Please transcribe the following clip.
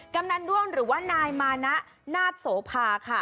กำนันด้วงหรือว่านายมานะนาฏโสภาค่ะ